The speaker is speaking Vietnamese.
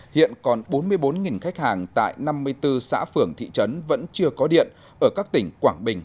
hiện còn bốn mươi bốn khách hàng tại năm mươi bốn xã phường thị trấn vẫn chưa có điện ở các tỉnh quảng bình